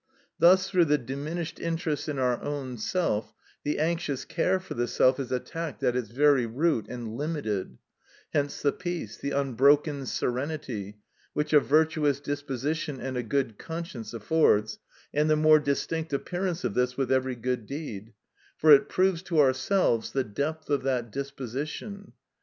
Thus through the diminished interest in our own self, the anxious care for the self is attacked at its very root and limited; hence the peace, the unbroken serenity, which a virtuous disposition and a good conscience affords, and the more distinct appearance of this with every good deed, for it proves to ourselves the depth of that disposition.